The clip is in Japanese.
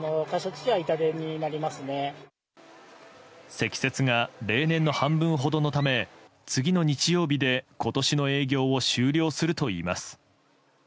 積雪が例年の半分ほどのため次の日曜日で今年の営業を終了するといいます。